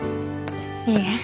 いいえ。